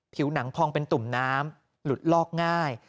ผิวหนังพองเป็นตุ่มน้ำหลุดลอกง่าย